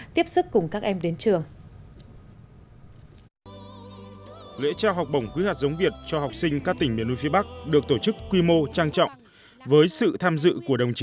tiếp sức cùng các em đến trường